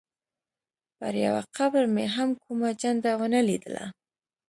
پر یوه قبر مې هم کومه جنډه ونه لیدله.